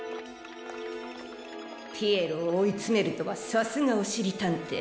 ピエロをおいつめるとはさすがおしりたんてい。